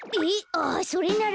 あっそれなら。